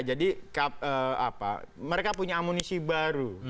jadi mereka punya amunisi baru